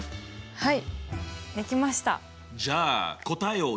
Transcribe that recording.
はい！